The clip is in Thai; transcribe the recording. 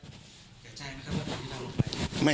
อยากแจ้งไหมครับว่าพี่น้องลงไป